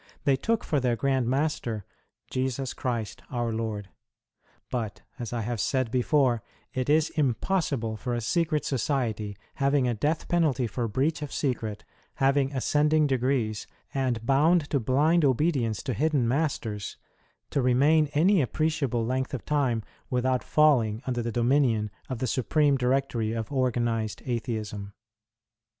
They took for their Grand Master, Jesus Christ Our Lord. But, as I have said before, it is impossible for a secret society having a death penalty for breach of secret, having ascending degrees, and bound to blind obedience to hidden masters, 64 WAR OF ANTICHRIST WITH THE CHURCH. to remain any appreciable length of time without falling under the dominion of the Supreme Directory of organized Atheism.